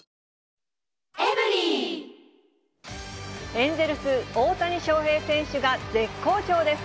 エンゼルス、大谷翔平選手が絶好調です。